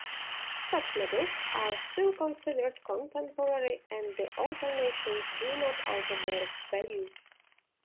Such medals are still considered contemporary and the alterations do not alter their value.